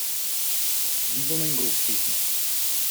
Vivono in gruppi.